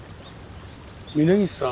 峯岸さん